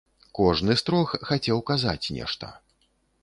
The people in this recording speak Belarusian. Кожны з трох хацеў казаць нешта.